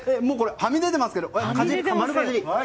はみ出てますけど丸かじり？